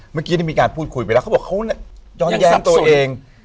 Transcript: เมื่อกี้ได้มีการพูดคุยไปแล้วเขาบอกเขาย้อนแย้งตัวเอง